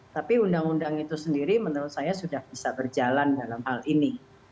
tapi undang undang itu sendiri menurut saya sudah bisa berjalan dalam hal ini